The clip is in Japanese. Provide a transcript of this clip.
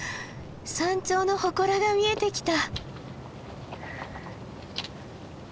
山頂のほこらが見えてきた。